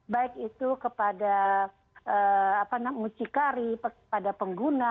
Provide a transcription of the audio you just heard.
baik itu kepada mucikari kepada pengguna